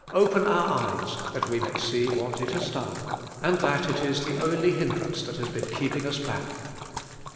Open our eyes, that we may see what it has done, and that it is the only hin drance that has been keeping us back."